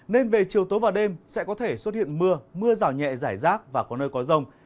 nên về chiều tối và đêm sẽ có thể xuất hiện mưa mưa rào nhẹ giải rác và có nơi có rông